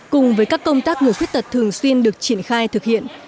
cùng với các công tác người khuyết tật thường xuyên được triển khai thực hiện